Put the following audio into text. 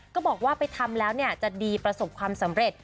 ก็บอกว่าไปทำแล้วจะดีประสบความสำเร็จ